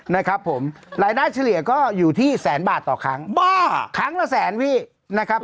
นะครับผมรายได้เฉลี่ยก็อยู่ที่แสนบาทต่อครั้งบ้าครั้งละแสนพี่นะครับ